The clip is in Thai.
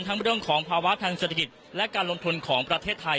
เรื่องของภาวะทางเศรษฐกิจและการลงทุนของประเทศไทย